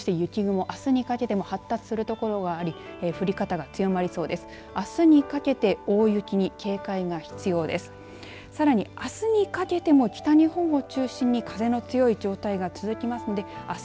そして雪雲、あすにかけても発達する所があり降り方が強まりそうです。